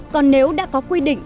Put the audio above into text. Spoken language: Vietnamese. còn nếu đã có quy định